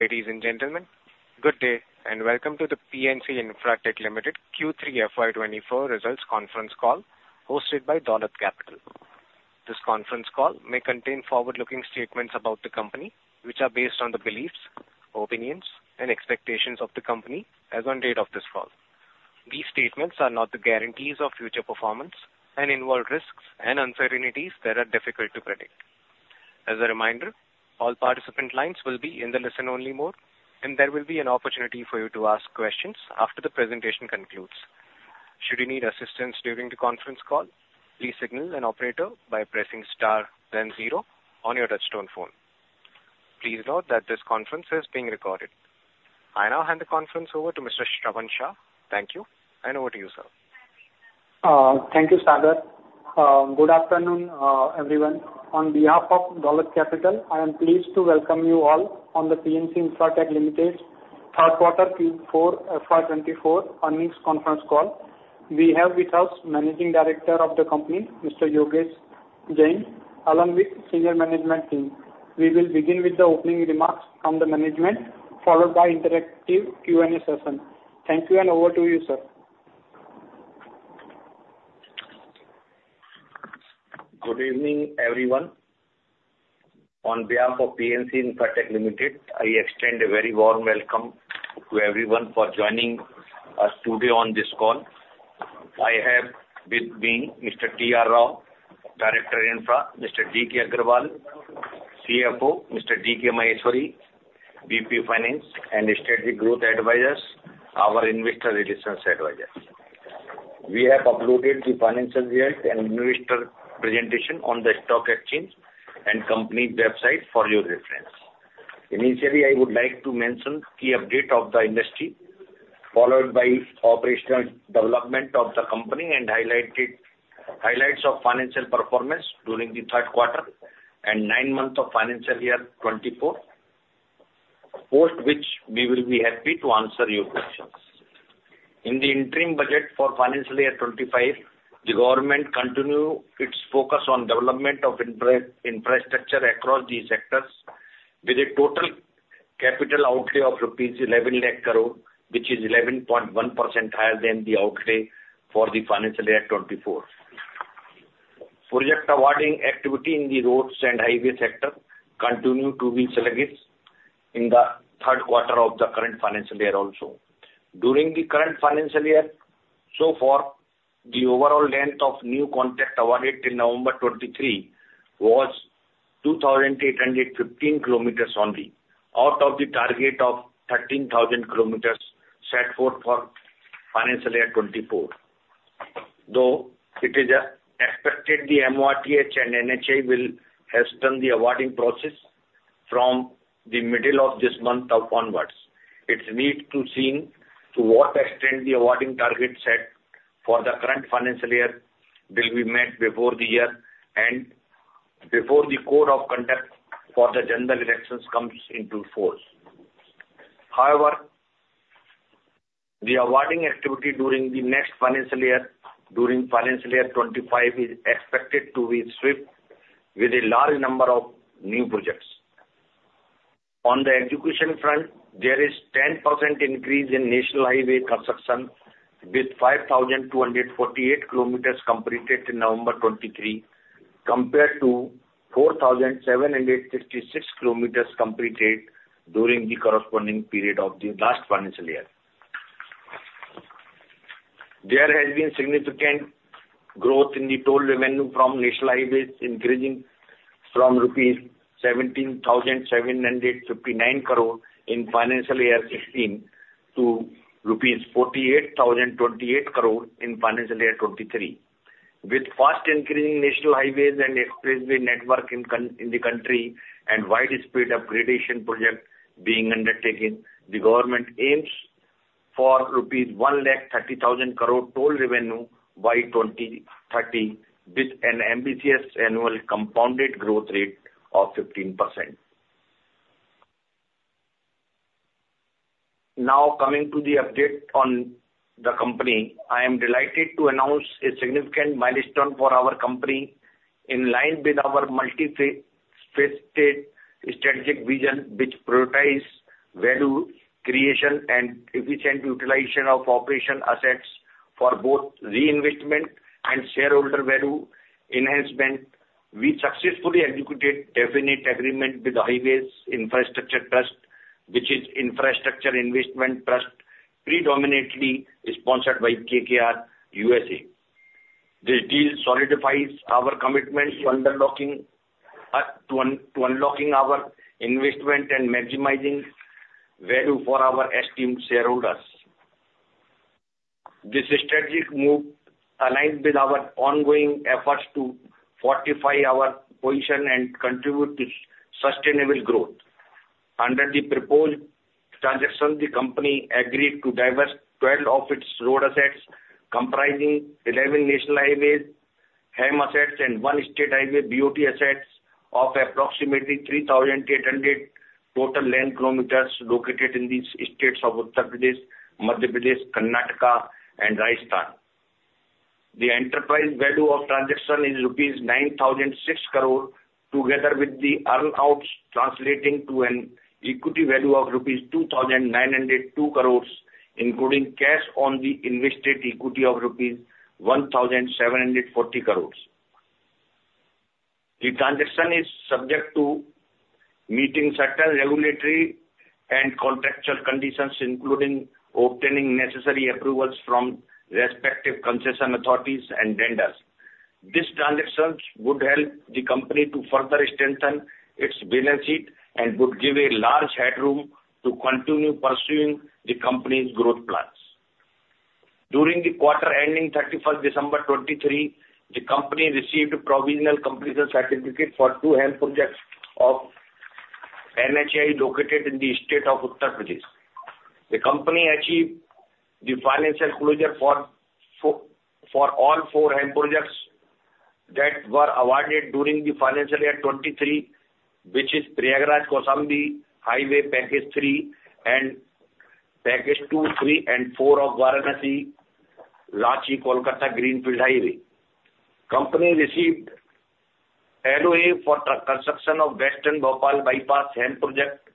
Ladies and gentlemen, good day, and welcome to the PNC Infratech Limited Q3 FY 2024 Results Conference Call, hosted by Dolat Capital. This conference call may contain forward-looking statements about the company, which are based on the beliefs, opinions, and expectations of the company as on date of this call. These statements are not the guarantees of future performance and involve risks and uncertainties that are difficult to predict. As a reminder, all participant lines will be in the listen-only mode, and there will be an opportunity for you to ask questions after the presentation concludes. Should you need assistance during the conference call, please signal an operator by pressing star then zero on your touchtone phone. Please note that this conference is being recorded. I now hand the conference over to Mr. Shravan Shah. Thank you, and over to you, sir. Thank you, Sagar. Good afternoon, everyone. On behalf of Dolat Capital, I am pleased to welcome you all on the PNC Infratech Limited third quarter Q4 FY 2024 earnings conference call. We have with us Managing Director of the company, Mr. Yogesh Jain, along with senior management team. We will begin with the opening remarks from the management, followed by interactive Q&A session. Thank you, and over to you, sir. Good evening, everyone. On behalf of PNC Infratech Limited, I extend a very warm welcome to everyone for joining us today on this call. I have with me Mr. T.R. Rao, Director, Infra, Mr. D.K. Agarwal, CFO, Mr. D.K. Maheshwari, VP, Finance, and Strategic Growth Advisors, our Investor Relations Advisors. We have uploaded the financial results and investor presentation on the stock exchange and company website for your reference. Initially, I would like to mention key update of the industry, followed by operational development of the company and highlights of financial performance during the third quarter and nine months of financial year 2024, post which we will be happy to answer your questions. In the interim budget for financial year 2025, the government continue its focus on development of infrastructure across the sectors with a total capital outlay of INR 1.1 million crore, which is 11.1% higher than the outlay for the financial year 2024. Project awarding activity in the roads and highway sector continue to be sluggish in the third quarter of the current financial year also. During the current financial year, so far, the overall length of new contract awarded in November 2023 was 2,815 kilometers only, out of the target of 13,000 kilometers set forth for financial year 2024. Though it is expected the MoRTH and NHAI will hasten the awarding process from the middle of this month onwards, it remains to be seen to what extent the awarding target set for the current financial year will be met before the year and before the Code of Conduct for the general elections comes into force. However, the awarding activity during the next financial year, during financial year 25, is expected to be swift, with a large number of new projects. On the execution front, there is 10% increase in national highway construction, with 5,248 km completed in November 2023, compared to 4,756 km completed during the corresponding period of the last financial year. There has been significant growth in the toll revenue from national highways, increasing from rupees 17,759 crore in financial year 2016 to rupees 48,028 crore in financial year 2023. With fast increasing national highways and expressway network in the country and widespread upgradation projects being undertaken, the government aims for rupees 1,30,000 crore toll revenue by 2030, with an ambitious annual compounded growth rate of 15%. Now, coming to the update on the company. I am delighted to announce a significant milestone for our company in line with our multi-phased state strategic vision, which prioritizes value creation and efficient utilization of operational assets for both reinvestment and shareholder value enhancement. We successfully executed definitive agreement with the Highways Infrastructure Trust, which is Infrastructure Investment Trust, predominantly sponsored by KKR, USA. This deal solidifies our commitment to unlocking our investment and maximizing value for our esteemed shareholders. This strategic move aligns with our ongoing efforts to fortify our position and contribute to sustainable growth. Under the proposed transaction, the company agreed to divest 12 of its road assets, comprising 11 national highways HAM assets and one state highway BOT assets of approximately 3,800 total lane kilometers located in the states of Uttar Pradesh, Madhya Pradesh, Karnataka and Rajasthan. The enterprise value of transaction is rupees 9,006 crore, together with the earn outs, translating to an equity value of rupees 2,902 crores, including cash on the invested equity of rupees 1,740 crores. The transaction is subject to meeting certain regulatory and contractual conditions, including obtaining necessary approvals from respective concession authorities and lenders. These transactions would help the company to further strengthen its balance sheet and would give a large headroom to continue pursuing the company's growth plans. During the quarter ending 31st December 2023, the company received a provisional completion certificate for two HAM projects of NHAI, located in the state of Uttar Pradesh. The company achieved the financial closure for for all four HAM projects that were awarded during the financial year 2023, which is Prayagraj-Kaushambi Highway Package three and Package two, three, and four of Varanasi-Ranchi-Kolkata Greenfield Highway. Company received LOA for the construction of Western Bhopal Bypass HAM Project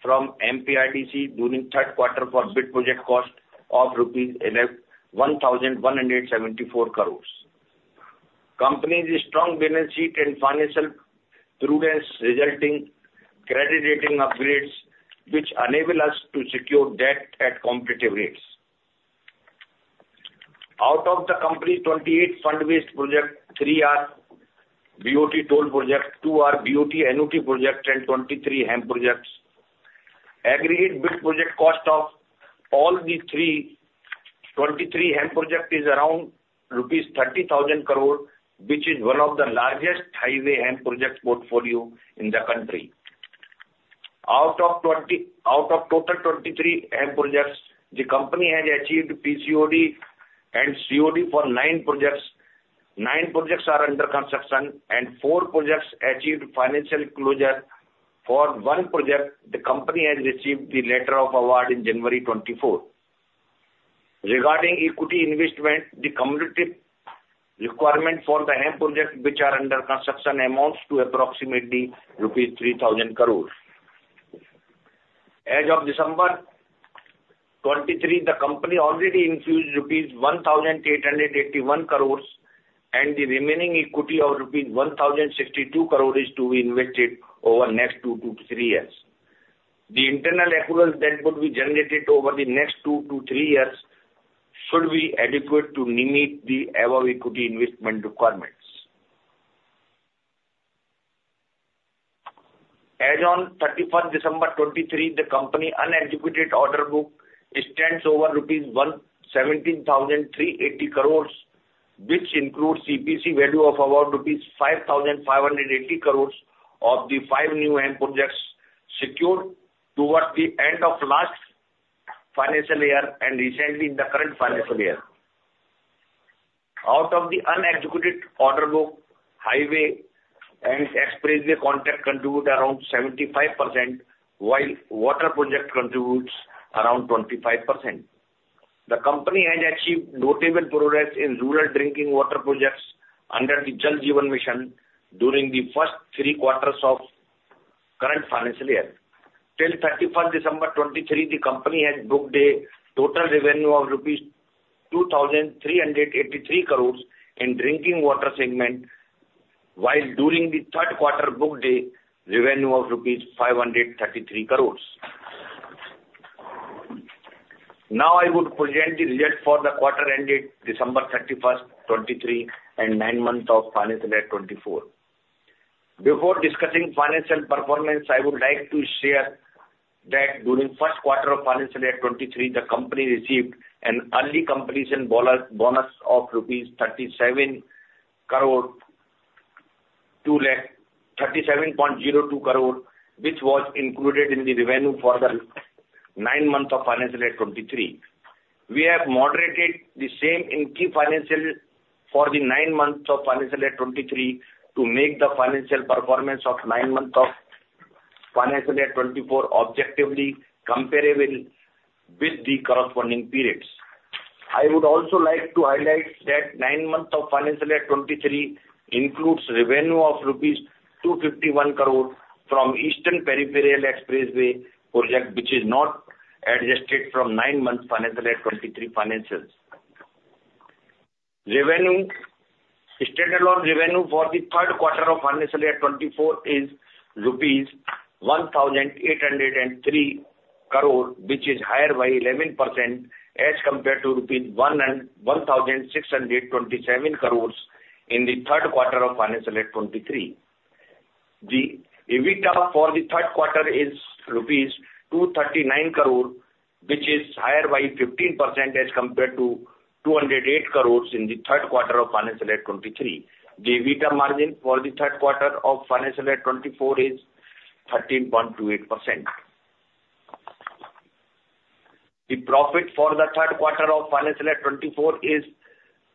from MPRDC during third quarter for bid project cost of 1,174 crore. Company's strong balance sheet and financial prudence, resulting credit rating upgrades, which enable us to secure debt at competitive rates. Out of the company's 28 fund-based projects, three are BOT toll projects, two are BOT-NOT projects, and 23 HAM projects. Aggregate bid project cost of all the 23 HAM projects is around rupees 30,000 crore, which is one of the largest highway HAM projects portfolio in the country. Out of the total 23 HAM projects, the company has achieved PCOD and COD for nine projects. Nine projects are under construction and four projects achieved financial closure. For one project, the company has received the letter of award in January 2024. Regarding equity investment, the cumulative requirement for the HAM projects, which are under construction, amounts to approximately rupees 3,000 crore. As of December 2023, the company already infused rupees 1,881 crore, and the remaining equity of rupees 1,062 crore is to be invested over next two-three years. The internal accruals that would be generated over the next two-three years should be adequate to meet the above equity investment requirements. As on 31 December 2023, the company unexecuted order book stands over rupees 117,380 crore, which includes EPC value of about rupees 5,580 crore of the five new HAM projects secured towards the end of last financial year and recently in the current financial year. Out of the unexecuted order book, highway and expressway contract contribute around 75%, while water project contributes around 25%. The company has achieved notable progress in rural drinking water projects under the Jal Jeevan Mission during the first three quarters of current financial year. Till thirty-first December 2023, the company has booked a total revenue of rupees 2,383 crores in drinking water segment, while during the third quarter, booked a revenue of INR 533 crores. Now, I would present the result for the quarter ended December thirty-first, 2023, and nine months of financial year 2024. Before discussing financial performance, I would like to share that during first quarter of financial year 2023, the company received an early completion bonus of rupees 37 crore 2 lakh, 37.02 crore, which was included in the revenue for the nine months of financial year 2023. We have moderated the same in key financials for the nine months of financial year 2023 to make the financial performance of nine months of financial year 2024 objectively comparable with the corresponding periods. I would also like to highlight that nine months of financial year 2023 includes revenue of rupees 251 crore from Eastern Peripheral Expressway project, which is not adjusted from nine months financial year 2023 financials. Revenue, standalone revenue for the third quarter of financial year 2024 is rupees 1,803 crore, which is higher by 11% as compared to rupees 1,627 crore in the third quarter of financial year 2023. The EBITDA for the third quarter is rupees 239 crore, which is higher by 15% as compared to 208 crore in the third quarter of financial year 2023. The EBITDA margin for the third quarter of financial year 2024 is 13.28%. The profit for the third quarter of financial year 2024 is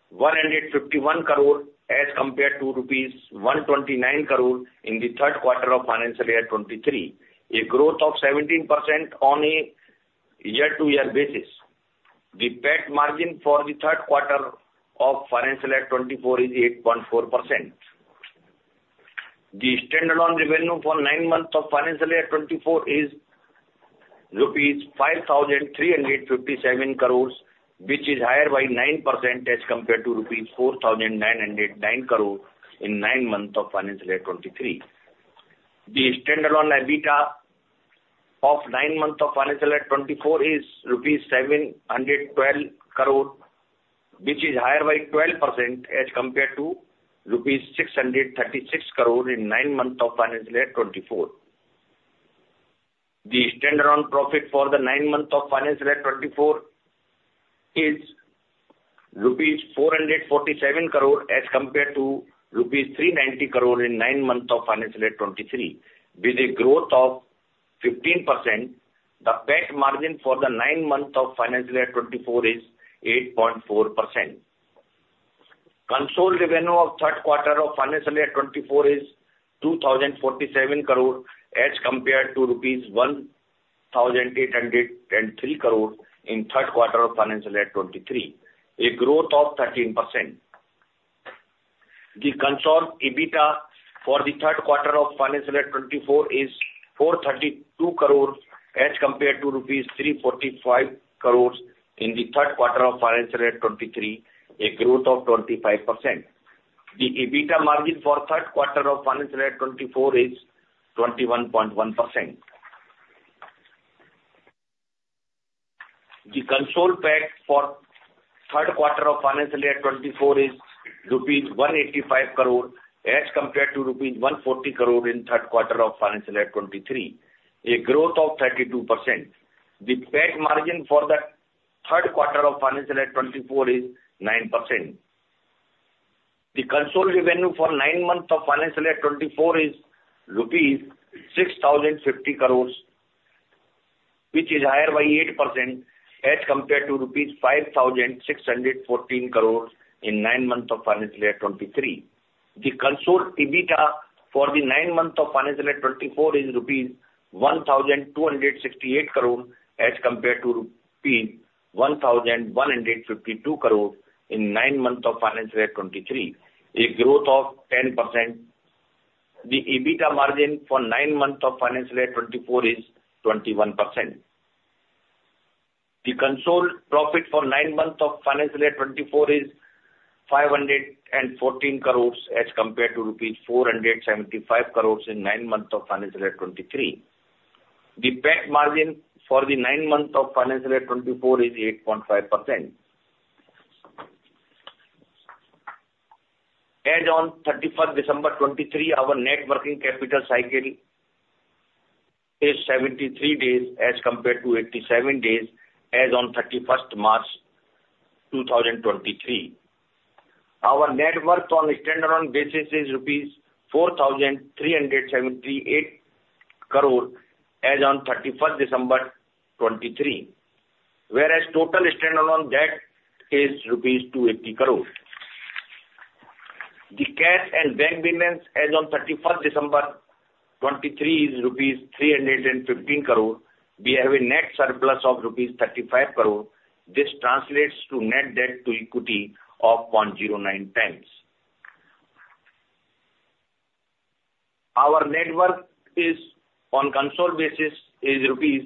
151 crore, as compared to rupees 129 crore in the third quarter of financial year 2023, a growth of 17% on a year-over-year basis. The PAT margin for the third quarter of financial year 2024 is 8.4%. The standalone revenue for nine months of financial year 2024 is rupees 5,357 crores, which is higher by 9% as compared to rupees 4,909 crore in nine months of financial year 2023. The standalone EBITDA of nine months of financial year 2024 is rupees 712 crore, which is higher by 12% as compared to rupees 636 crore in nine months of financial year 2023. The standalone profit for the nine months of financial year 2024 is rupees 447 crore as compared to rupees 390 crore in nine months of financial year 2023, with a growth of 15%. The PAT margin for the nine months of financial year 2024 is 8.4%. Consolidated revenue of third quarter of financial year 2024 is 2,047 crore, as compared to rupees 1,803 crore in third quarter of financial year 2023, a growth of 13%. The consolidated EBITDA for the third quarter of financial year 2024 is 432 crore as compared to rupees 345 crore in the third quarter of financial year 2023, a growth of 25%. The EBITDA margin for third quarter of financial year 2024 is 21.1%. The consolidated PAT for third quarter of financial year 2024 is rupees 185 crore as compared to rupees 140 crore in third quarter of financial year 2023, a growth of 32%. The PAT margin for the third quarter of financial year 2024 is 9%. The consolidated revenue for nine months of financial year 2024 is rupees 6,050 crore, which is higher by 8% as compared to rupees 5,614 crore in nine months of financial year 2023. The consolidated EBITDA for the nine months of financial year 2024 is rupees 1,268 crore, as compared to rupees 1,152 crore in nine months of financial year 2023, a growth of 10%. The EBITDA margin for nine months of financial year 2024 is 21%. The consolidated profit for nine months of financial year 2024 is 514 crores as compared to rupees 475 crores in nine months of financial year 2023. The PAT margin for the nine months of financial year 2024 is 8.5%. As on 31st December 2023, our net working capital cycle is 73 days as compared to 87 days as on 31 March 2023. Our net worth on a standalone basis is 4,378 crore rupees as on 31st December 2023, whereas total standalone debt is rupees 280 crore. The cash and bank balance as on 31st December 2023 is rupees 315 crore. We have a net surplus of rupees 35 crore. This translates to net debt to equity of 0.09 times. Our net worth is, on consolidated basis, is rupees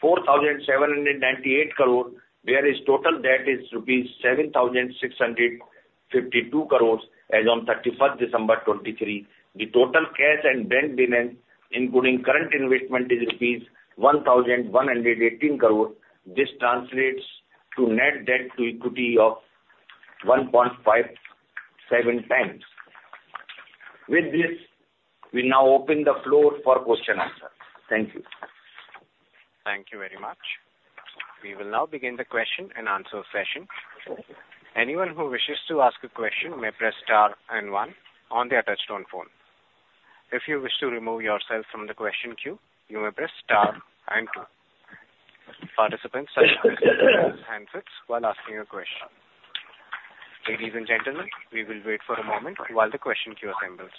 4,798 crore, whereas total debt is rupees 7,652 crore as on 31st December 2023. The total cash and bank balance, including current investment, is INR 1,118 crore. This translates to net debt to equity of 1.57 times. With this, we now open the floor for question answer. Thank you. Thank you very much. We will now begin the question and answer session. Anyone who wishes to ask a question may press star and one on their touch-tone phone. If you wish to remove yourself from the question queue, you may press star and two. Participants use handsets while asking a question. Ladies and gentlemen, we will wait for a moment while the question queue assembles.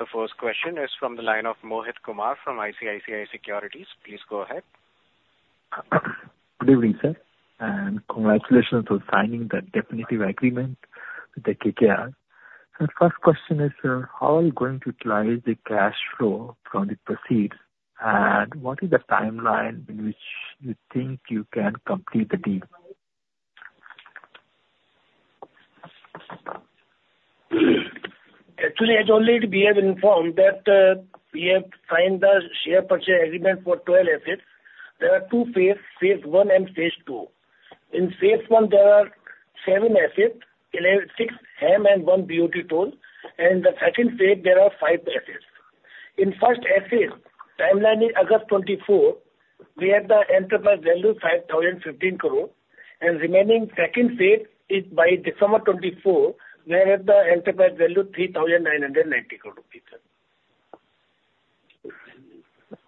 The first question is from the line of Mohit Kumar from ICICI Securities. Please go ahead. Good evening, sir, and congratulations on signing the definitive agreement with the KKR. The first question is, how are you going to utilize the cash flow from the proceeds, and what is the timeline in which you think you can complete the deal? Actually, as already we have informed that we have signed the share purchase agreement for 12 assets. There are two phases, phase I and phase II. In phase one, there are seven assets, six HAM and one BOT toll, and the second phase, there are five assets. In first phase, timeline is August 2024. We have the enterprise value 5,015 crore, and remaining second phase is by December 2024, we have the enterprise value 3,990 crore rupees.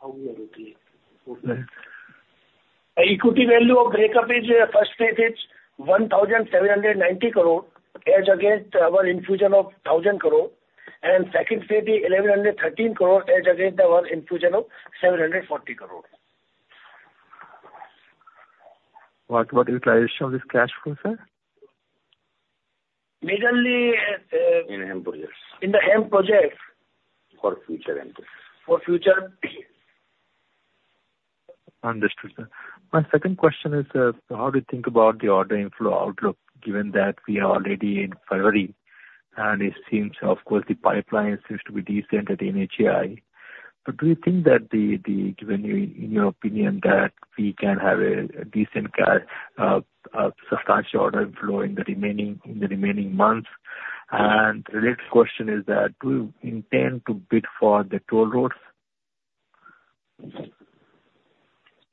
How we are looking? Okay. The equity value of breakup is, first phase is 1,790 crore, as against our infusion of 1,000 crore, and second phase is 1,113 crore, as against our infusion of 740 crore. What, what utilization of this cash for, sir? Majorly, In projects. In the projects. For future. For future. Understood, sir. My second question is, how do you think about the order inflow outlook, given that we are already in February, and it seems, of course, the pipeline seems to be decent at NHAI. But do you think that, given in your opinion, that we can have a decent substantial order flow in the remaining months? And related question is that, do you intend to bid for the toll roads?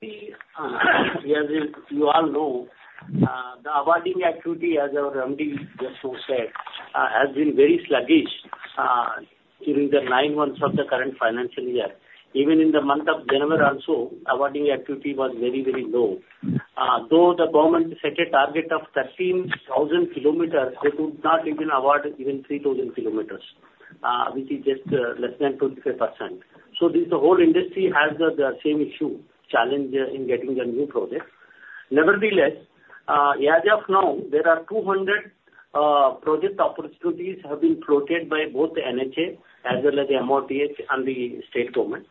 See, as you, you all know, the awarding activity, as our MD just now said, has been very sluggish during the nine months of the current financial year. Even in the month of January also, awarding activity was very, very low. Though the government set a target of 13,000 kilometers, they could not even award even 3,000 kilometers, which is just less than 25%. So this, the whole industry has the, the same issue, challenge in getting the new projects. Nevertheless, as of now, there are 200 project opportunities have been floated by both the NHAI as well as the MoRTH and the state government.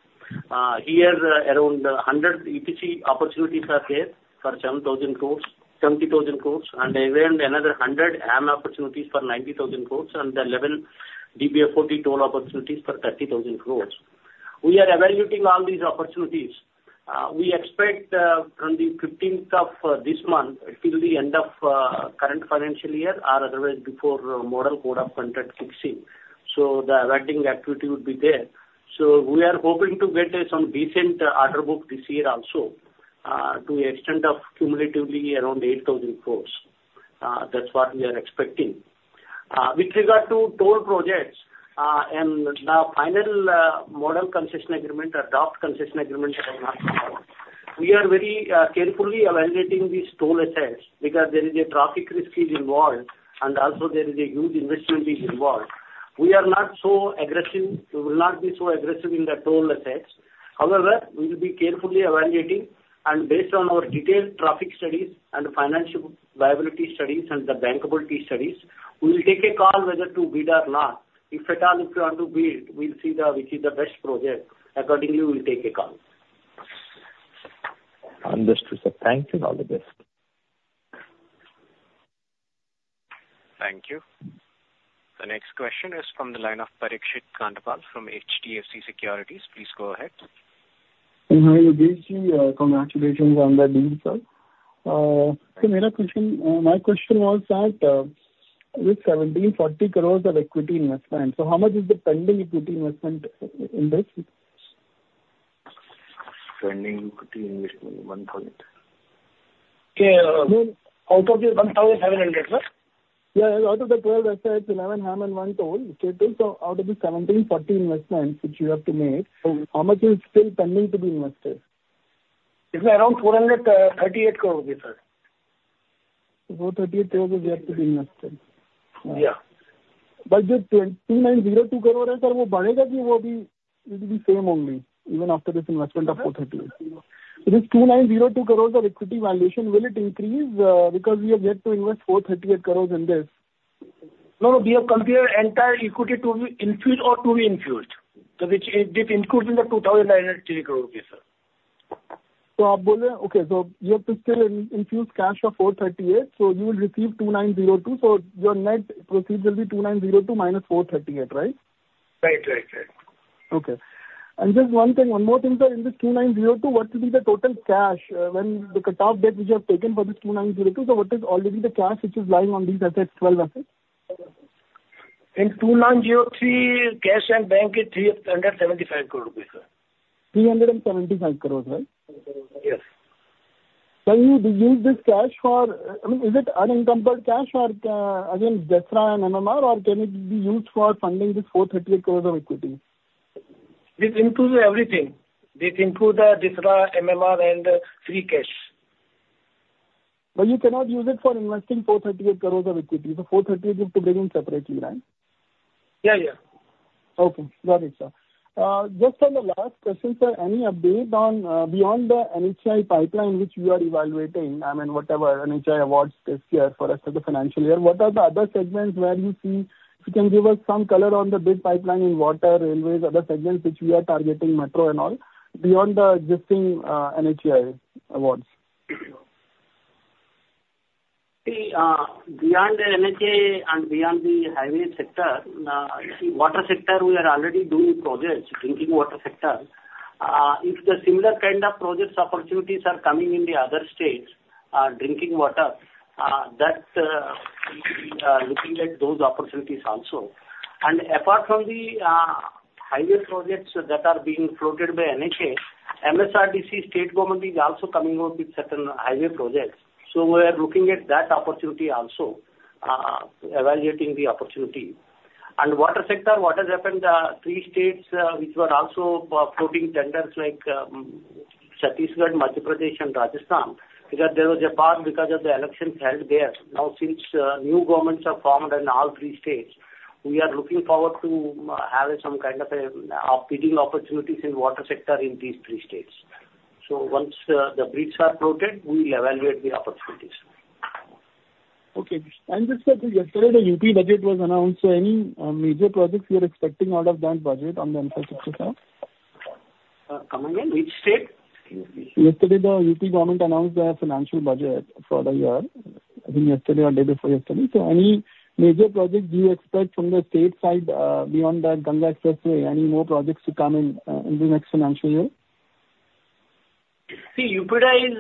Here, around 100 EPC opportunities are there for 10,000 crore, 70,000 crore, and around another 100 HAM opportunities for 90,000 crore, and the 11 DBFO toll opportunities for 30,000 crore. We are evaluating all these opportunities. We expect, on the 15th of this month, until the end of current financial year or otherwise before model code of contract fixing. So the awarding activity would be there. So we are hoping to get some decent order book this year also, to the extent of cumulatively around 8,000 crore. That's what we are expecting. With regard to toll projects, and the final model concession agreement or draft concession agreement have not come out. We are very carefully evaluating these toll assets because there is a traffic risk involved, and also there is a huge investment involved. We are not so aggressive. We will not be so aggressive in the toll assets. However, we will be carefully evaluating, and based on our detailed traffic studies and financial viability studies and the bankability studies, we will take a call whether to bid or not. If at all, if we want to bid, we'll see which is the best project. Accordingly, we'll take a call. Understood, sir. Thank you, and all the best. Thank you. The next question is from the line of Parikshit Kandpal from HDFC Securities. Please go ahead. Hi, Rajeshji, congratulations on the deal, sir. So my question was that, with 1,740 crores of equity investment, so how much is the pending equity investment in this? Pending equity investment, INR 1,000. Out of the 1,700, sir? Yeah, out of the 12 assets, 11 HAM and one toll, so out of the 1,740 investment which you have to make, so how much is still pending to be invested? It's around INR 438 crore, sir. INR 438 crore is yet to be invested? Yeah. But the INR 1029.02 crore, sir, will change the or the, it will be same only, even after this investment of INR 438 crore. This INR 1029.02 crores of equity valuation, will it increase? Because we are yet to invest 438 crores in this. No, no, we have considered entire equity to be infused or to be infused. So which this includes in the INR 2,903 crore, sir. So okay, so you have to still infuse cash of 438, so you will receive 2,902, so your net proceeds will be 2,902 minus 438, right? Right, right, right. Okay. And just one thing, one more thing, sir. In this 2902, what will be the total cash when the cut-off date which you have taken for this 2902, so what is already the cash which is lying on these assets, 12 assets? In 2903, cash and bank is 375 crore, sir. 375 crore, right? Yes. So you will use this cash for, I mean, is it unencumbered cash or, again, DSRA and MMR, or can it be used for funding this 438 crore of equity? This includes everything. This includes the DSRA, MMR, and free cash. But you cannot use it for investing 438 crore of equity. The 438 you have to bring in separately, right? Yeah, yeah. Okay, got it, sir. Just for the last question, sir, any update on beyond the NHAI pipeline which you are evaluating? I mean, whatever NHAI awards this year for rest of the financial year, what are the other segments where you see you can give us some color on the bid pipeline in water, railways, other segments which we are targeting, metro and all, beyond the existing NHAI awards? See, beyond the NHAI and beyond the highway sector, see, water sector, we are already doing projects, drinking water sector. If the similar kind of projects opportunities are coming in the other states, drinking water, that, we, looking at those opportunities also. Apart from the, highway projects that are being floated by NHAI, MSRDC State Government is also coming out with certain highway projects. So we are looking at that opportunity also, evaluating the opportunity. Water sector, what has happened, three states, which were also floating tenders like, Chhattisgarh, Madhya Pradesh and Rajasthan, because there was a pause because of the elections held there. Now, since, new governments are formed in all three states, we are looking forward to have some kind of a, bidding opportunities in water sector in these three states. Once the bids are floated, we will evaluate the opportunities. Okay. And just that yesterday, the UP budget was announced, so any major projects you are expecting out of that budget on the? Come again, which state? Excuse me? Yesterday, the UP government announced their financial budget for the year, I think yesterday or day before yesterday. So any major projects you expect from the state side, beyond the Ganga Expressway, any more projects to come in, in the next financial year? See, UPEIDA is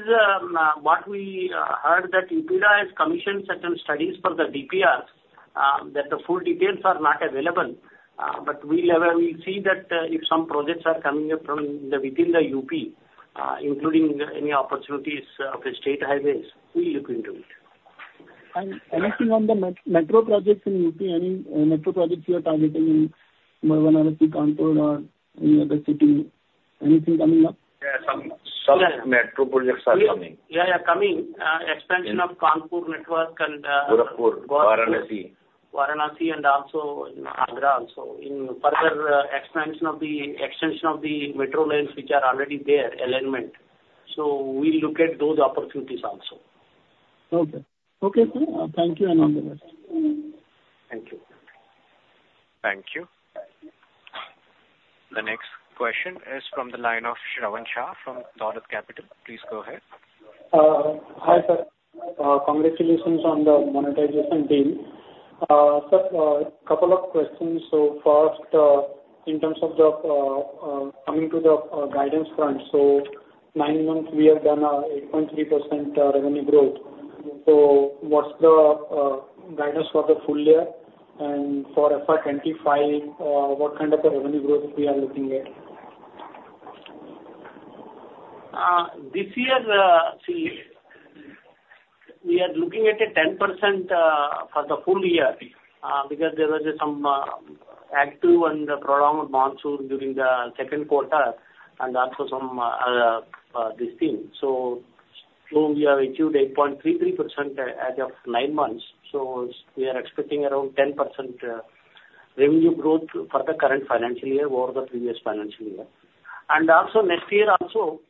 what we heard, that UPEIDA has commissioned certain studies for the DPRs, that the full details are not available, but we'll see that, if some projects are coming up from within the UP, including any opportunities of the state highways, we'll look into it. Anything on the metro projects in UP, any metro projects you are targeting in Varanasi, Kanpur or any other city, anything coming up? Yeah, some metro projects are coming. Yeah, yeah, coming. Expansion of Kanpur metro and, Gorakhpur, Varanasi. Varanasi and also in Agra also. In further expansion of the metro lines, which are already there, alignment. So we look at those opportunities also. Okay. Okay, sir. Thank you and all the best. Thank you. Thank you. The next question is from the line of Shravan Shah from Dolat Capital. Please go ahead. Hi, sir. Congratulations on the monetization deal. Sir, couple of questions. So first, in terms of the coming to the guidance front, so nine months we have done 8.3% revenue growth. So what's the guidance for the full year? And for FY 2025, what kind of a revenue growth we are looking at? This year, we are looking at 10% for the full year because there was some active and prolonged monsoon during the second quarter and also some this thing. So, we have achieved 8.33% as of nine months, so we are expecting around 10% revenue growth for the current financial year over the previous financial year. And also next year also,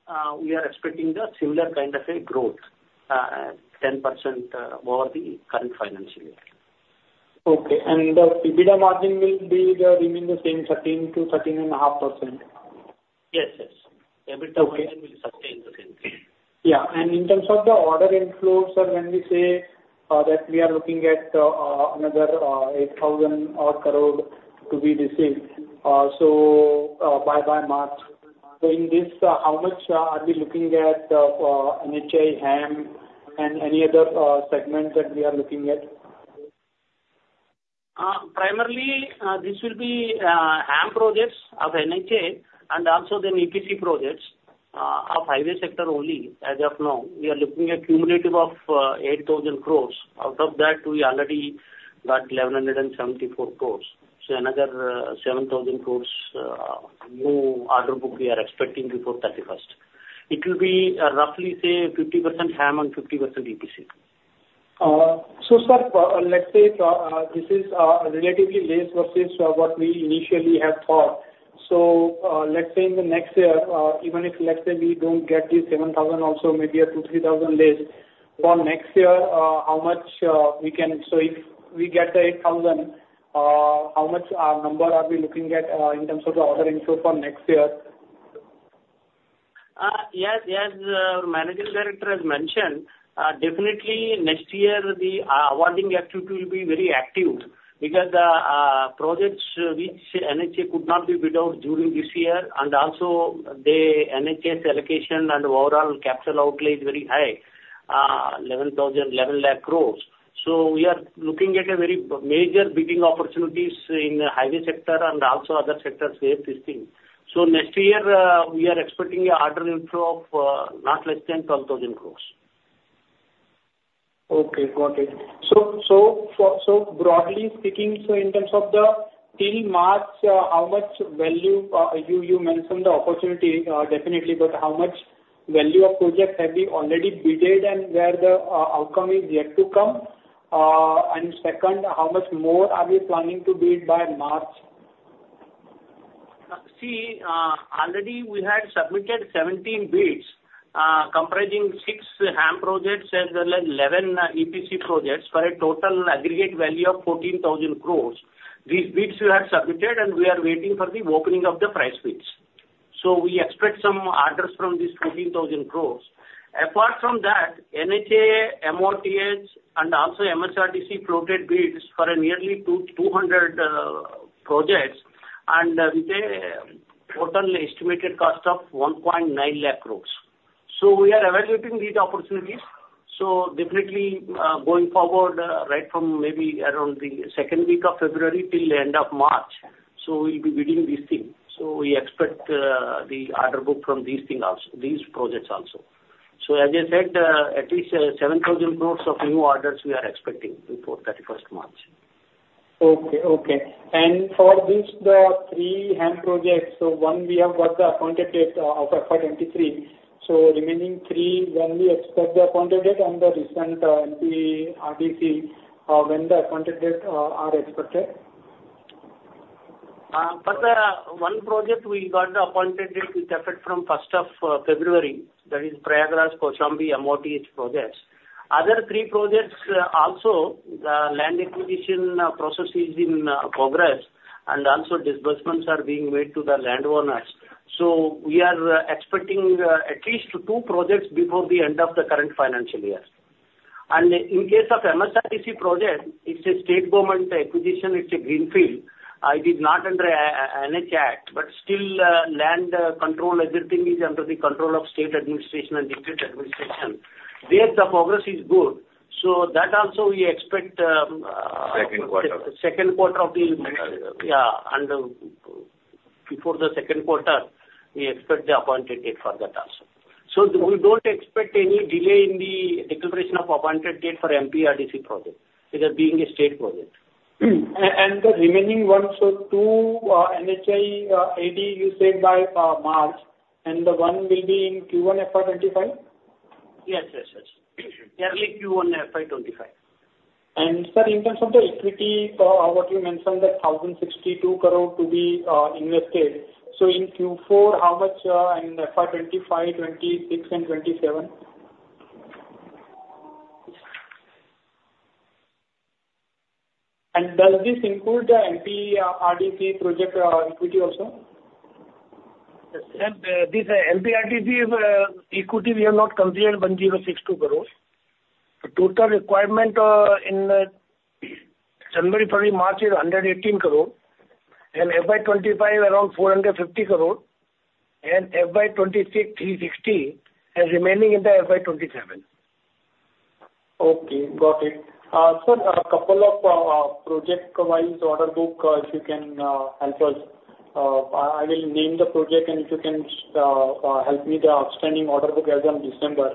we are expecting the similar kind of a growth, 10%, over the current financial year. Okay. And the EBITDA margin will be the remaining the same, 13%-13.5%? Yes, yes. Okay. EBITDA margin will sustain the same thing. Yeah. And in terms of the order inflows, so when we say that we are looking at another 8,000-odd crore to be received, so by March. So in this, how much are we looking at NHAI, HAM and any other segments that we are looking at? Primarily, this will be HAM projects of NHAI and also then EPC projects of highway sector only. As of now, we are looking at cumulative of 8,000 crore. Out of that, we already got 1,174 crore. So another 7,000 crore new order book we are expecting before thirty-first. It will be roughly say 50% HAM and 50% EPC. So, sir, let's say this is relatively less versus what we initially had thought. So, let's say in the next year, even if, let's say, we don't get this 7,000, also maybe a 2,000-3,000 less, for next year, how much we can... So if we get the 8,000, how much number are we looking at in terms of the order inflow for next year? Yes, yes, the managing director has mentioned, definitely next year the awarding activity will be very active because the projects which NHAI could not be bid out during this year, and also the NHAI's allocation and overall capital outlay is very high, 11,000, 11 lakh crores. So we are looking at a very major bidding opportunities in the highway sector and also other sectors, where this thing. So next year, we are expecting a order inflow of not less than 12,000 crore. Okay, got it. So broadly speaking, in terms of the till March, how much value you mentioned the opportunity definitely, but how much value of projects have we already bidded and where the outcome is yet to come? And second, how much more are we planning to bid by March? See, already we had submitted 17 bids, comprising six HAM projects as well as 11 EPC projects for a total aggregate value of 14,000 crore. These bids we have submitted, and we are waiting for the opening of the price bids. So we expect some orders from this 14,000 crore. Apart from that, NHAI, MoRTH, and also MSRDC floated bids for nearly 200 projects, and with a total estimated cost of 190,000 crore. So we are evaluating these opportunities. So definitely, going forward, right from maybe around the second week of February till the end of March, so we'll be bidding these things. So we expect, the order book from these thing also, these projects also. As I said, at least 7,000 crore of new orders we are expecting before thirty-first March. Okay, okay. And for this, the three HAM projects, so one we have got the appointed date of FY 2023. So remaining three, when we expect the appointed date and the recent MPRDC, when the appointed date are expected? First, one project we got the appointed date with effect from first of February, that is Prayagraj-Kaushambi MOT projects. Other three projects, also the land acquisition process is in progress, and also disbursements are being made to the landowners. So we are expecting at least two projects before the end of the current financial year. And in case of MPRDC project, it's a state government acquisition, it's a greenfield. It is not under NH Act, but still, land control, everything is under the control of state administration and district administration. There, the progress is good. So that also we expect. Second quarter. Before the second quarter, we expect the appointed date for that also. So we don't expect any delay in the declaration of appointed date for MPRDC project. It has been a state project. The remaining one, so two, NHAI AD, you said by March, and the one will be in Q1 FY 2025? Yes, yes, yes. Early Q1 FY 2025. Sir, in terms of the equity for what you mentioned, that 1,062 crore to be invested. So in Q4, how much in FY 2025, 2026 and 2027? And does this include the MPRDC project equity also? Yes, sir. This MPRDC equity we have not considered 1,062 crore. The total requirement in January, February, March is 118 crore, and FY 2025, around 450 crore, and FY 2026, INR 360 crore, and remaining in the FY 2027. Okay, got it. Sir, a couple of project-wise order book, if you can help us. I will name the project, and if you can help me the outstanding order book as on December.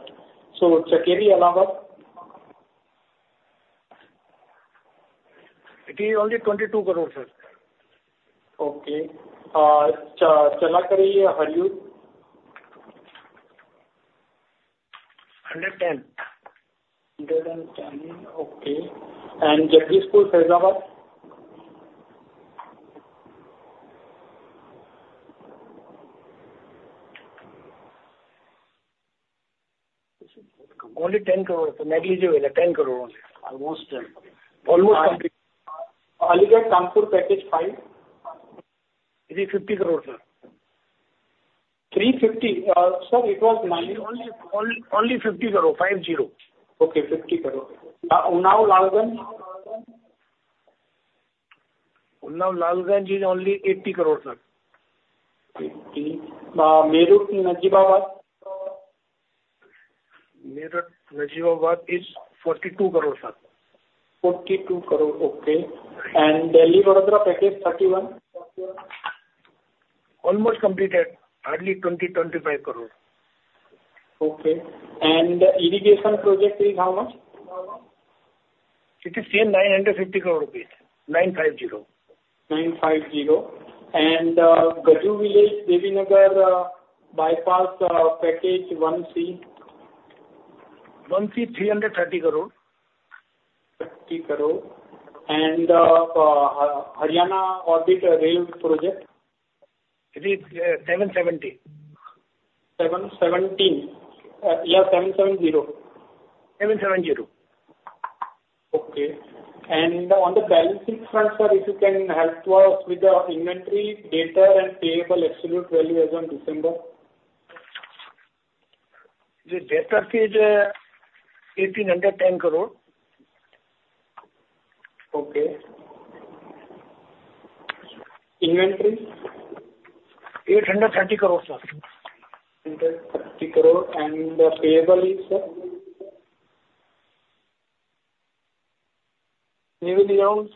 So Chakeri-Allahabad? It is only 22 crore, sir. Okay. Challakere-Hariyur? 110. 110, okay. And Jagdishpur-Faizabad? Only 10 crore, sir. Negligible, 10 crore only. Almost, almost completed. Aligarh-Kanpur Package five? It is 50 crore, sir. 350? Sir, it was 90. Only, only INR 50 crore, 50. Okay, INR 50 crore. Unnao Lalganj? Unnao-Lalganj is only 80 crore, sir. 80. Meerut-Najibabad? Meerut-Najibabad is 42 crore, sir. 42 crore, okay. And Delhi-Vadodara Package 31? Almost completed. Hardly 20-25 crore. Okay. Irrigation project is how much? It is still INR 950 crore, 950. 950. Gaju Village-Devinagar Bypass, Package 1C? 1C, INR 330 crore. INR 30 crore. And, Haryana Orbit Rail project? It is 7:70. 717? Yeah, 770. 770. Okay. And on the balance sheet front, sir, if you can help us with the inventory, debtor, and payable absolute value as on December? The debtor is INR 1,810 crore. Okay. Inventory? 830 crore, sir. 830 crore, and the payable is, sir? Payable, INR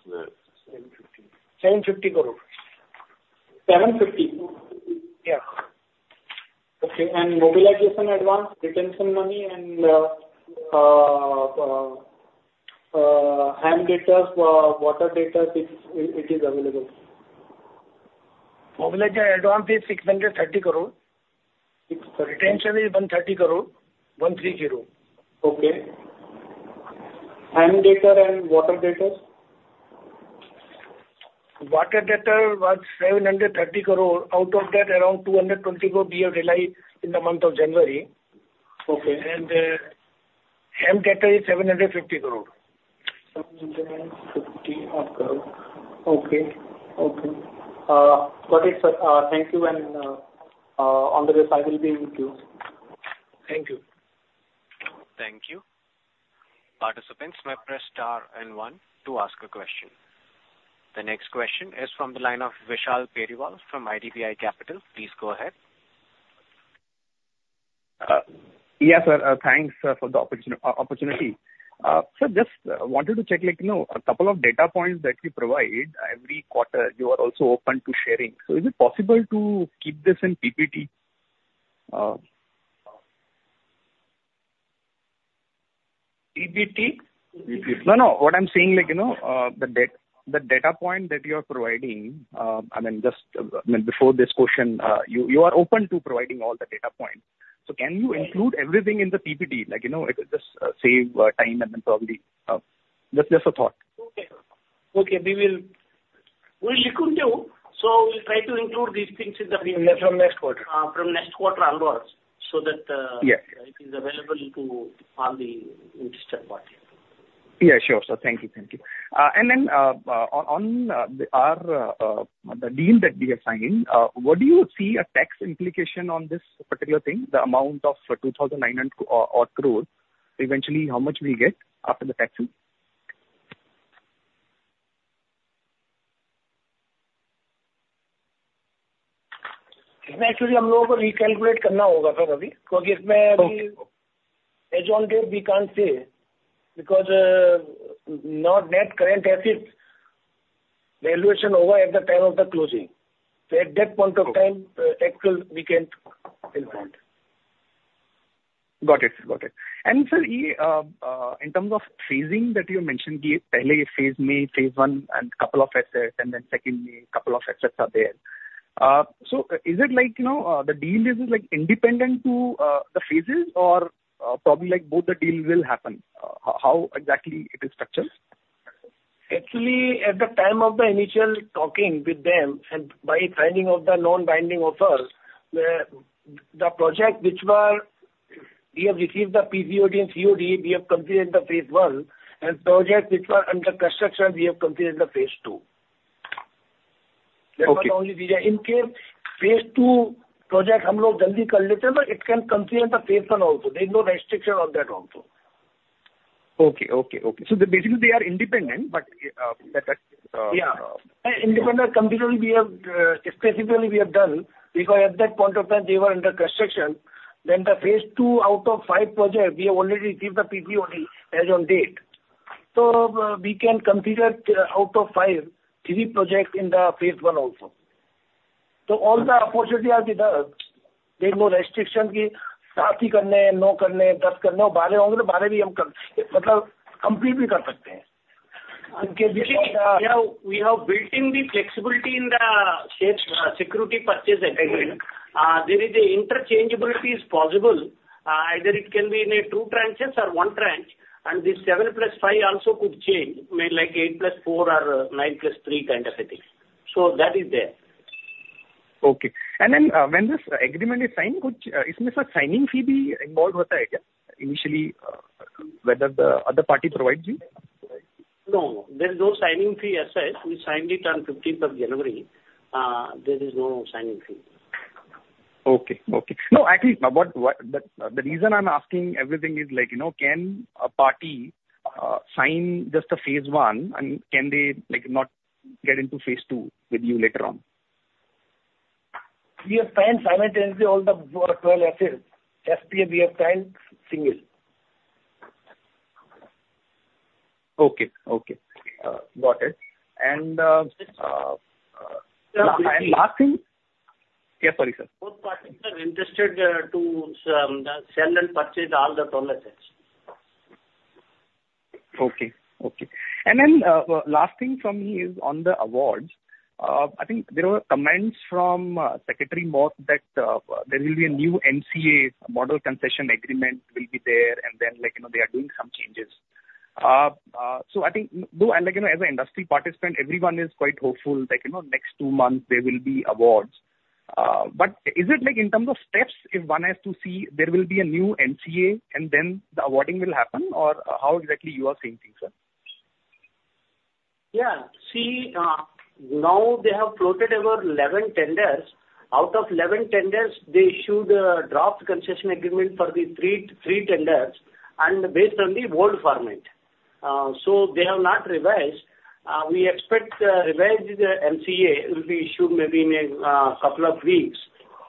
750 crore. INR 750 crore. Seven fifty? Yeah. Okay, and mobilization advance, retention money and HAM debtor, water debtors, if it is available. Mobilization advance is 630 crore. Six- Retention is 130 crore, 130. Okay. HAM debtor and water debtors? Water debtor was 730 crore. Out of that, around 220 crore we have released in the month of January. Okay. HAM debt is 750 crore. 750 crore. Okay, okay. Got it, sir. Thank you, and on the rest I will be with you. Thank you. Thank you. Participants may press star and one to ask a question. The next question is from the line of Vishal Periwal from IDBI Capital. Please go ahead. Yes, sir, thanks for the opportunity. Sir, just wanted to check, like, you know, a couple of data points that you provided. I mean quarter, you are also open to sharing. So is it possible to keep this in PPT? PPT? PPT. No, no, what I'm saying, like, you know, the data point that you are providing, I mean, just, I mean, before this question, you are open to providing all the data points. So can you include everything in the PPT? Like, you know, it could just save time and then probably just a thought. Okay. Okay, we will, we will look into. So we'll try to include these things in the. From next quarter. From next quarter onwards, so that, Yeah It is available to all the interested parties. Yeah, sure, sir. Thank you, thank you. And then, on our deal that we have signed, what do you see a tax implication on this particular thing, the amount of 2,900-odd crores, eventually, how much we get after the taxing? Actually, recalculate, sir, because as on date we can't say, because not net current assets, the valuation over at the time of the closing. So at that point of time, actual we can inform. Got it. Got it. And sir, in terms of phasing that you mentioned, phase one and couple of assets, and then secondly, couple of assets are there. So is it like, you know, the deal is like independent to the phases or probably like both the deals will happen? How exactly it is structured? Actually, at the time of the initial talking with them and by signing of the non-binding offer, the projects which were, we have received the PCOD and COD, we have completed the phase one, and projects which were under construction, we have completed the phase two. Okay. That was only. These are, in case phase II project, it can complete the phase one also. There's no restriction on that also. Okay, okay, okay. So basically, they are independent, but, that. Yeah. Independent, completely, we have, specifically we have done, because at that point of time, they were under construction. Then the phase II out of five projects, we have already received the PCOD as on date. So, we can consider out of five, three projects in the phase I also. So all the opportunities are there. There's no restriction. We have, we have built in the flexibility in the shapes, security purchase agreement. There is the interchangeability is possible, either it can be in two tranches or one tranche, and this seven + five also could change, may like eight + four or nine + three kind of a thing. So that is there. Okay. And then, when this agreement is signed, which, is this a signing fee be involved with that? Initially, whether the other party provides you? No, there is no signing fee as such. We signed it on fifteenth of January. There is no signing fee. Okay, okay. No, actually, but the reason I'm asking everything is like, you know, can a party sign just a phase one, and can they, like, not get into phase II with you later on? We have signed simultaneously all the 12 assets. SPA, we have signed single. Okay, okay. Got it. And, and last thing... Yeah, sorry, sir. Both parties are interested to sell and purchase all the 12 assets. Okay, okay. And then, last thing from me is on the awards. I think there were comments from Secretary MoRTH that there will be a new MCA, Model Concession Agreement will be there, and then, like, you know, they are doing some changes. So I think, though, and like, you know, as an industry participant, everyone is quite hopeful that, you know, next two months there will be awards. But is it like in terms of steps, if one has to see, there will be a new MCA and then the awarding will happen? Or how exactly you are seeing things, sir? Yeah. See, now they have floated about 11 tenders. Out of 11 tenders, they issued a draft concession agreement for the three, three tenders, and based on the old format. So they have not revised. We expect the revised MCA will be issued maybe in a couple of weeks.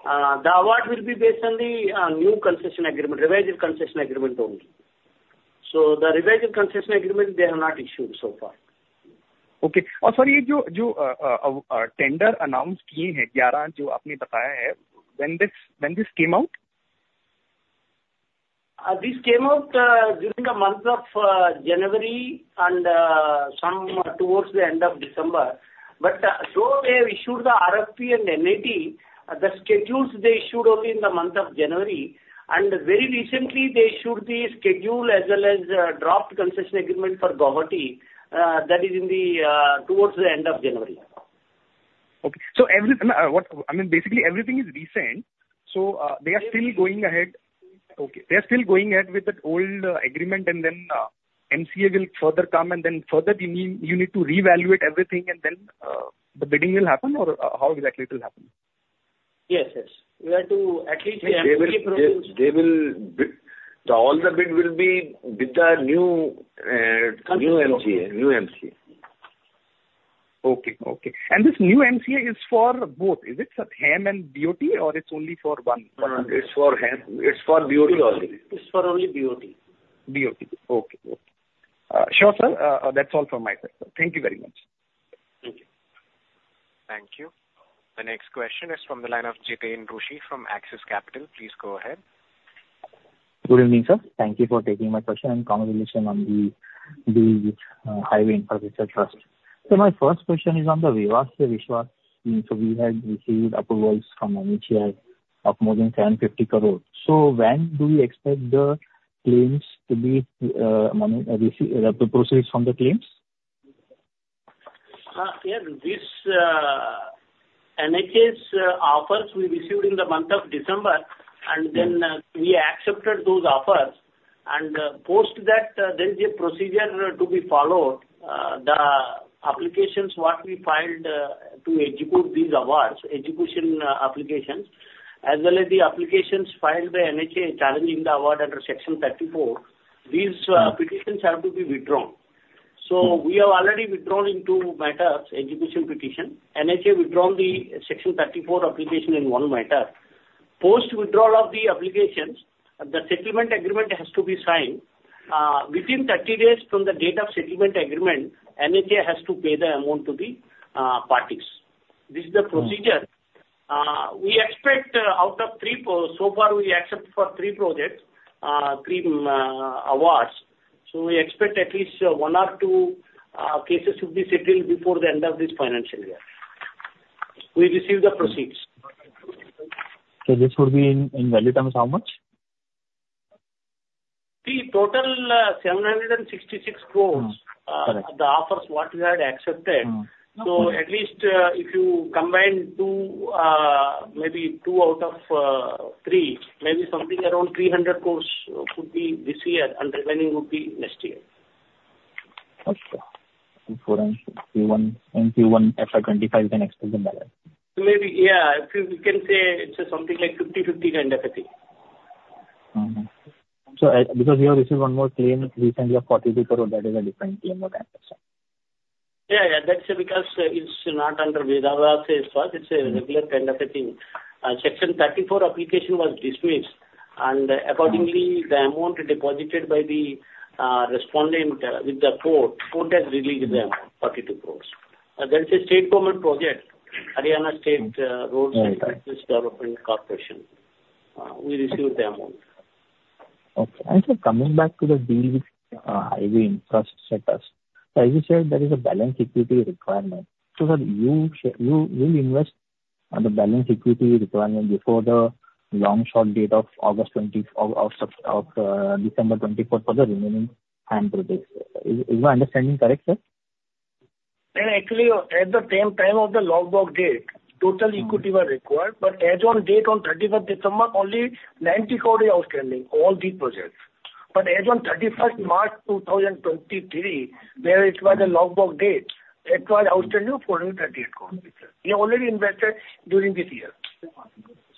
The award will be based on the new concession agreement, revised concession agreement only. So the revised concession agreement, they have not issued so far. Okay. And sorry, tender announced, 11, when this came out? This came out during the month of January and some towards the end of December. But though they issued the RFP and NIT, the schedules they issued only in the month of January, and very recently, they issued the schedule as well as draft concession agreement for Guwahati, that is in towards the end of January. Okay. So, I mean, basically everything is recent, so they are still going ahead. Yes. Okay. They are still going ahead with the old agreement, and then MCA will further come, and then further you need, you need to reevaluate everything, and then the bidding will happen, or how exactly it will happen? Yes, yes. We have to at least. They will bid. All the bids will be with the new MCA. Okay, okay. And this new MCA is for both. Is it for HAM and BOT, or it's only for one? No, no, it's for HAM. It's for BOT only. It's for only BOT. Be okay. Okay, okay. Sure, sir. That's all from my side, sir. Thank you very much. Thank you. Thank you. The next question is from the line of Jiten Rushi from Axis Capital. Please go ahead. Good evening, sir. Thank you for taking my question, and congratulations on the Highways Infrastructure Trust. So my first question is on the claims. We had received approvals from NHAI of more than 750 crore. So when do we expect the proceeds from the claims? Yeah, this NHAI's offers we received in the month of December, and then we accepted those offers. And post that, there is a procedure to be followed. The applications, what we filed, to execute these awards, execution applications, as well as the applications filed by NHAI challenging the award under Section 34, these petitions have to be withdrawn. So we have already withdrawn in 2 matters, execution petition. NHAI withdrawn the Section 34 application in one matter. Post-withdrawal of the applications, the settlement agreement has to be signed. Within 30 days from the date of settlement agreement, NHAI has to pay the amount to the parties. This is the procedure. We expect, out of three pro- so far, we accept for 3 projects, 3 awards. We expect at least one or two cases to be settled before the end of this financial year. We receive the proceeds. This would be in value terms, how much? The total, 766 crore. Mm-hmm. Correct. the offers what we had accepted. Mm-hmm. So at least, if you combine two, maybe two out of three, maybe something around 300 crore could be this year, and the remaining would be next year. Okay. Before in Q1, in Q1 FY 2025, you can expect the money. Maybe, yeah, if you can say it's something like 50/50 kind of a thing. Mm-hmm. So I, because you have received one more claim recently of 42 crore, that is a different claim or that as well? Yeah, yeah. That's because, it's not under case first. Mm-hmm. It's a regular kind of a thing. Section 34 application was dismissed, and accordingly, the amount deposited by the respondent with the court; court has released them 42 crore. That's a state government project, Haryana State Roads and Bridge Development Corporation. We received the amount. Okay. And so coming back to the deal with Highways Infrastructure Trust, so as you said, there is a balance equity requirement. So that you'll invest the balance equity requirement before the longstop date of August 20 of December 2024 for the remaining HAM projects. Is my understanding correct, sir? Actually, at the same time of the long block date, total equity were required, but as on date, on 31st December, only 90 crore is outstanding, all the projects. But as on 31st March 2023, where it was a long block date, it was outstanding, 438 crore. We already invested during this year.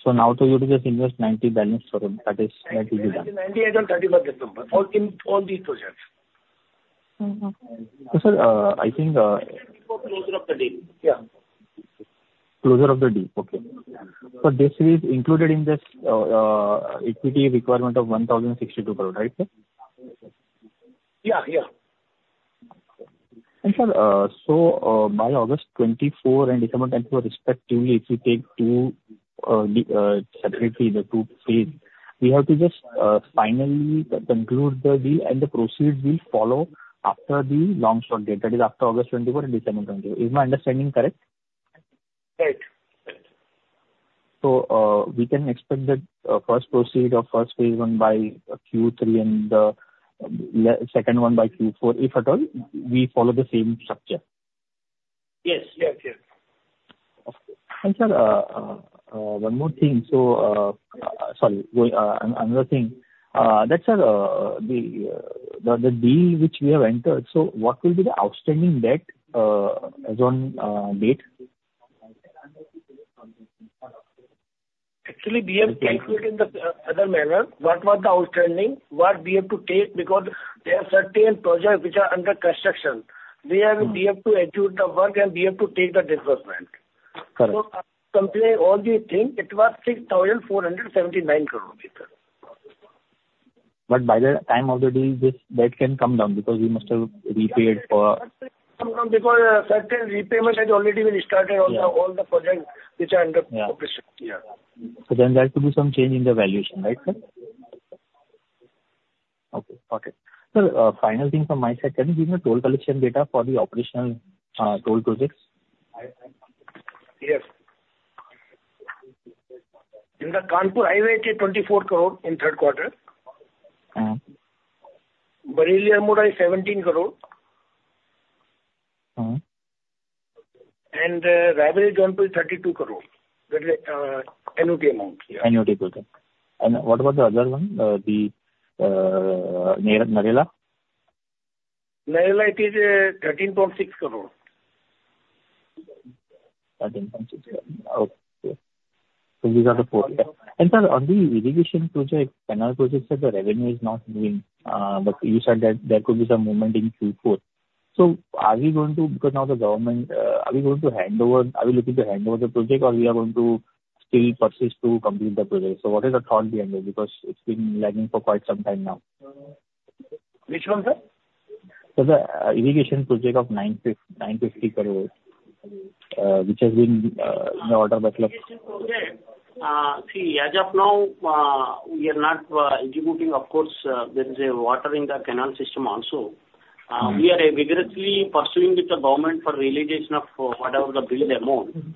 Now to you to just invest 90 balance crore, that is, that will be done. 90 as on 31st December, all in, all these projects. Mm-hmm. So, sir, I think, Before closure of the deal. Yeah. Closure of the deal. Okay. So this is included in this equity requirement of 1,062 crore, right, sir? Yeah, yeah. Sir, so by August 2024 and December 2024 respectively, if you take two, the, separately, the two phase, we have to just finally conclude the deal and the proceeds will follow after the longstop date, that is, after August 2024 and December 2024. Is my understanding correct? Right. Right. We can expect that first proceeds of first phase I by Q3 and second one by Q4, if at all, we follow the same structure. Yes. Yes, yes. Okay. And, sir, one more thing. So, sorry, another thing, that's, sir, the deal which we have entered, so what will be the outstanding debt as on date? Actually, we have calculated in the other manner. What was the outstanding, what we have to take, because there are certain projects which are under construction. Mm-hmm. We have to execute the work and we have to take the disbursement. Correct. Compare all these things; it was 6,479 crore, sir. By the time of the deal, this debt can come down because we must have repaid for. Come down because certain repayment has already been started on the. Yeah. All the projects which are under. Yeah. Construction. Yeah. So then there has to be some change in the valuation, right, sir? Okay, okay. Sir, final thing from my side, can you give me toll collection data for the operational toll projects? Yes. In the Kanpur highway, it is 24 crore in third quarter. Mm-hmm. Bareilly-Almora is 17 crore. Mm-hmm. Raebareli-Jaunpur, 32 crore. That is, annuity amount, yeah. Annuity project. And what about the other one, the Narela? Narela it is, INR 13.6 crore. 13.6, okay. So these are the four. Yeah. Sir, on the irrigation project, canal project, sir, the revenue is not moving, but you said that there could be some movement in Q4? So are we going to, because now the government, are we going to hand over, are we looking to hand over the project, or we are going to still persist to complete the project? So what is the thought behind it? Because it's been lagging for quite some time now. Which one, sir? The irrigation project of 950 crore, which has been the order by clerk. Okay. See, as of now, we are not executing. Of course, there is a water in the canal system also. We are vigorously pursuing with the government for realization of whatever the bill amount. Mm-hmm.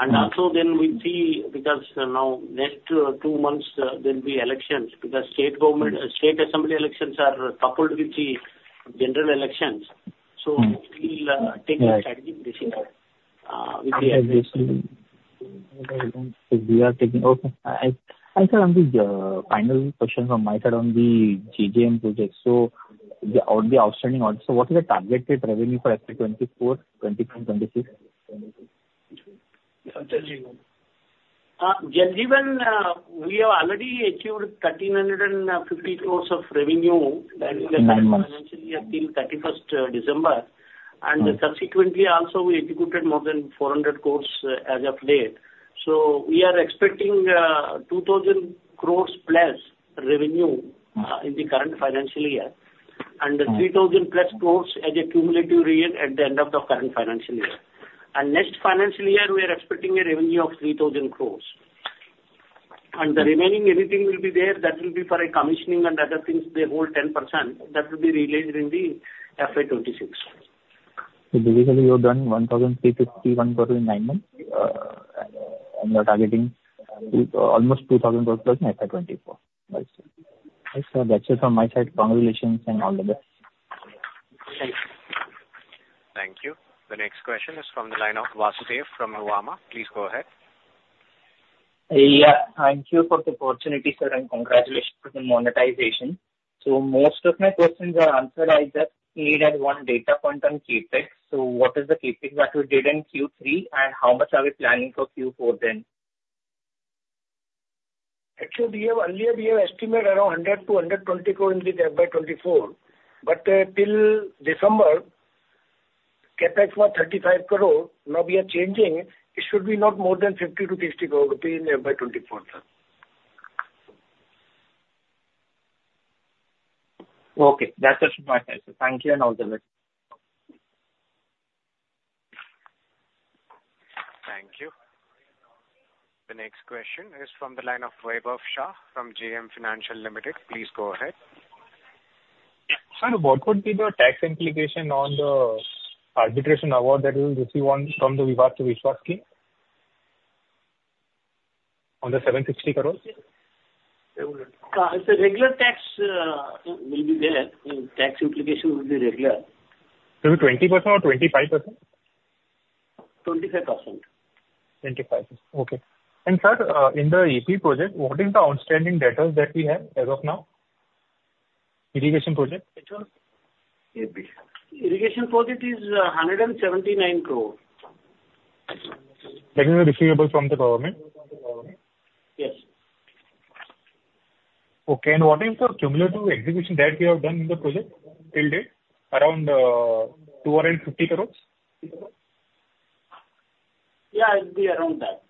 And also then we see, because now next two months, there'll be elections, because state government, state assembly elections are coupled with the general elections. Mm. We'll take the strategic decision with the election. Okay. And sir, on the final question from my side on the GGN project. So the outstanding, also what is the targeted revenue for FY 2024, 2023, 2026? Jal Jeevan Mission, we have already achieved 1,350 crores of revenue. Mm-hmm. during the current financial year till 31st December. Mm. Subsequently also, we executed more than 400 crore as of date. We are expecting 2,000 crore plus revenue. Mm-hmm. in the current financial year. Mm-hmm. 3,000+ crore as a cumulative revenue at the end of the current financial year. Next financial year, we are expecting a revenue of 3,000 crore. The remaining anything will be there, that will be for a commissioning and other things, the whole 10%, that will be realized in FY 2026. So basically, you have done 1,351 crore in nine months, and you are targeting almost 2,000 crore plus in FY 2024. I see. Thanks, sir, that's it from my side. Congratulations, and all the best. Thanks. Thank you. The next question is from the line of Vasudev from Nuvama. Please go ahead. Yeah, thank you for the opportunity, sir, and congratulations for the monetization. So most of my questions are answered. I just need one data point on CapEx. So what is the CapEx that you did in Q3, and how much are we planning for Q4 then? Actually, we have earlier, we have estimated around 100-120 crore in the FY 2024, but till December, CapEx was 35 crore. Now we are changing. It should be not more than 50-60 crore rupee in FY 2024, sir. Okay, that's it from my side, sir. Thank you, and all the best. Thank you. The next question is from the line of Vaibhav Shah from JM Financial Limited. Please go ahead. Sir, what would be the tax implication on the arbitration award that you'll receive on from the Vivad Se Vishwas Scheme? On the INR 760 crore. It's a regular tax, will be there, and tax implication will be regular. Will be 20% or 25%? Twenty-five percent. 25%. Okay. And sir, in the AP project, what is the outstanding debtors that we have as of now? Irrigation project. Which one? AP. Irrigation project is 179 crore. That is the receivable from the government? Yes. Okay. And what is the cumulative execution that we have done in the project to date? Around, 250 crore? Yeah, it'll be around that.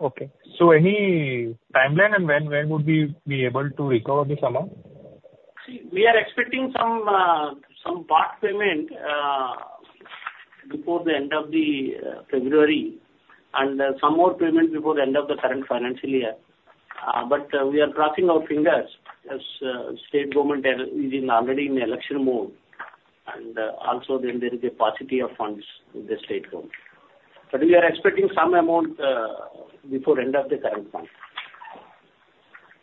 Okay. So any timeline and when, when would we be able to recover this amount? See, we are expecting some, some part payment, before the end of the, February, and, some more payment before the end of the current financial year. But, we are crossing our fingers, as, state government are, is in already in election mode. And, also then there is a paucity of funds with the state government. But we are expecting some amount, before end of the current month.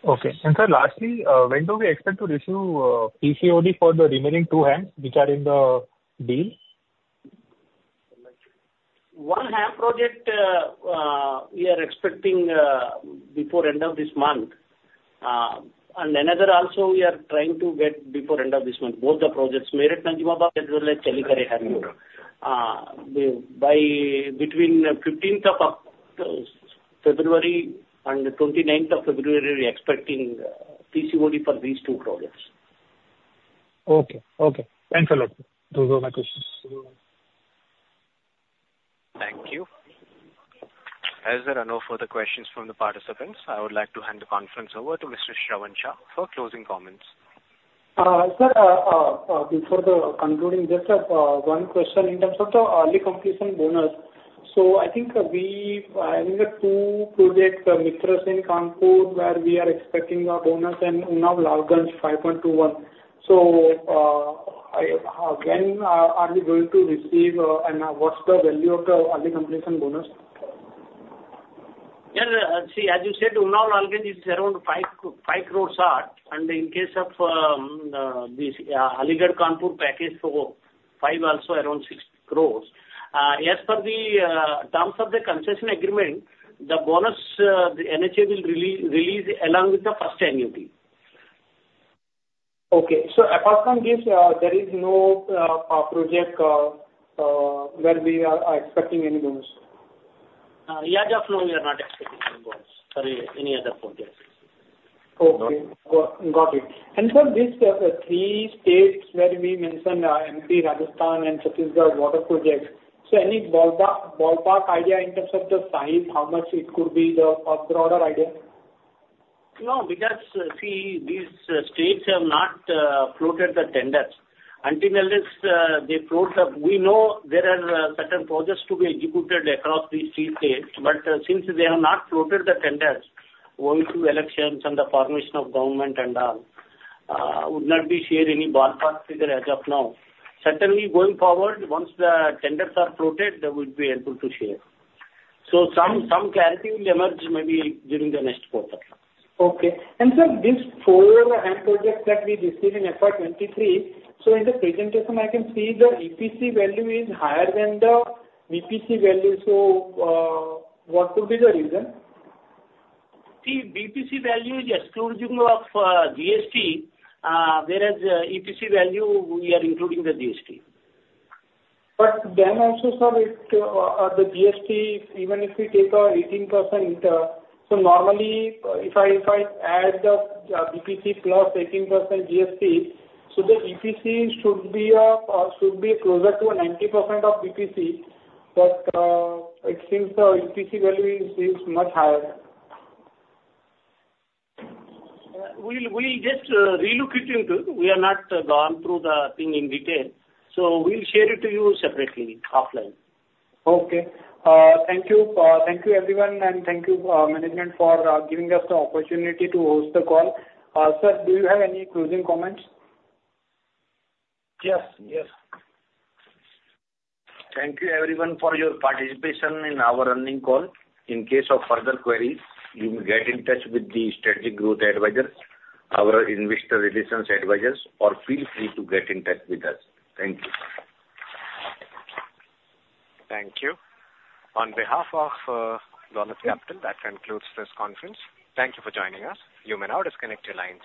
Okay. And sir, lastly, when do we expect to receive PCOD for the remaining two HAMs which are in the deal? One HAM project, we are expecting, before end of this month. Another also, we are trying to get before end of this month. Both the projects, Meerut-Najibabad as well as Challakere-Hariyur. By between fifteenth of February and twenty-ninth of February, we're expecting, PCOD for these two projects. Okay. Okay. Thanks a lot. Those are my questions. Thank you. As there are no further questions from the participants, I would like to hand the conference over to Mr. Shravan Shah for closing comments. Sir, before concluding this, one question in terms of the early completion bonus. So I think we've in the two projects, Aligarh-Kanpur, where we are expecting a bonus and Unnao-Lalganj INR 5.21. So, again, are we going to receive and what's the value of the early completion bonus? Yeah, see, as you said, Unnao-Lalganj is around 55 crore odd, and in case of this Aligarh-Kanpur package, so also around 6 crore. As per the terms of the concession agreement, the bonus, the NHAI will release along with the first annuity. Okay. So apart from this, there is no project where we are expecting any bonus?... as of now, we are not expecting any awards for any, any other projects. Okay. Got it. And sir, these three states where we mentioned, MP, Rajasthan, and Chhattisgarh water projects, so any ballpark, ballpark idea in terms of the size, how much it could be, the, a broader idea? No, because, see, these states have not floated the tenders. Until and unless they float the tenders, we know there are certain projects to be executed across these three states, but since they have not floated the tenders owing to elections and the formation of government and all, we would not share any ballpark figure as of now. Certainly, going forward, once the tenders are floated, they will be able to share. So some clarity will emerge maybe during the next quarter. Okay. And sir, these 4 end projects that we received in FY 2023, so in the presentation, I can see the EPC value is higher than the BPC value, so, what could be the reason? See, BPC value is exclusion of GST, whereas EPC value, we are including the GST. But then also, sir, if the GST, even if we take 18%, so normally, if I add the BPC plus 18% GST, so the EPC should be closer to 90% of BPC, but it seems the EPC value is much higher. We'll just relook into it. We have not gone through the thing in detail, so we'll share it to you separately, offline. Okay. Thank you. Thank you everyone, and thank you, management for giving us the opportunity to host the call. Sir, do you have any closing comments? Yes, yes. Thank you everyone for your participation in our earnings call. In case of further queries, you may get in touch with the Strategic Growth Advisors, our investor relations advisors, or feel free to get in touch with us. Thank you. Thank you. On behalf of Dolat Capital, that concludes this conference. Thank you for joining us. You may now disconnect your lines.